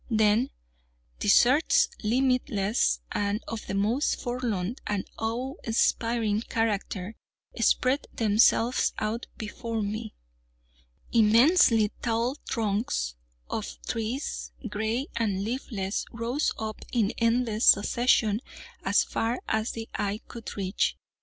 Then deserts, limitless, and of the most forlorn and awe inspiring character, spread themselves out before me. Immensely tall trunks of trees, gray and leafless, rose up in endless succession as far as the eye could reach.